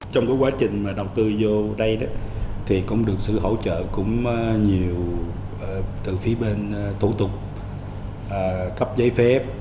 trong quá trình đầu tư vô đây cũng được sự hỗ trợ nhiều từ phía bên tổ tục cấp giấy phép